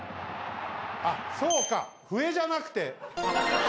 あっそうか笛じゃなくて。